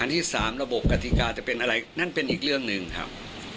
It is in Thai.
ที่๓ระบบกฎิกาจะเป็นอะไรนั่นเป็นอีกเรื่องหนึ่งครับ